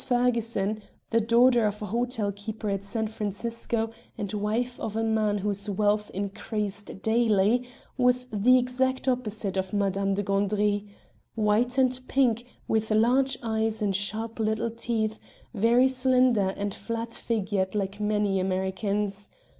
Ferguson, the daughter of a hotel keeper at San Francisco and wife of a man whose wealth increased daily, was the exact opposite to Madame de Gandry white and pink, with large eyes and sharp little teeth, very slender and flat figured like many Americans.